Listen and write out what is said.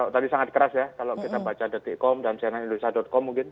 tadi sangat keras ya kalau kita baca com dan cnnindonesia com mungkin